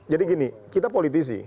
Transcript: jadi gini kita politisi